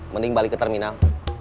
mending balik ke terminal